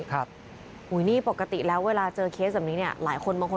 ครับปกติแล้วเวลาเจอเฟสเมื่อนี้เนี่ยหลายคนบางคน